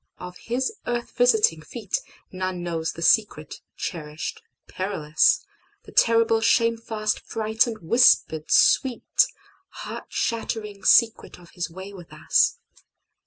Of His earth visiting feetNone knows the secret, cherished, perilous, The terrible, shamefast, frightened, whispered, sweet, Heart shattering secret of His way with us.